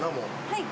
はい。